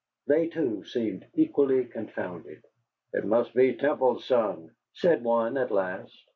They, too, seemed equally confounded. "It must be Temple's son," said one, at last.